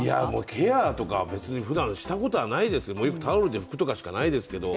ケアとかは別にふだんしたことはないですけどよくタオルでふくとかしかないですけど。